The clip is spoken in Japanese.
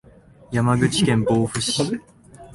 山口県防府市